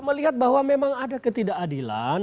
melihat bahwa memang ada ketidakadilan